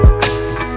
terima kasih ya allah